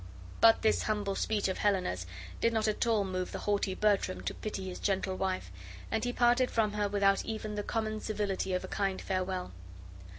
But this humble speech of Helena's did not at all move the haughty Bertram to pity his gentle wife, and he parted from her without even the common civility of a kind farewell.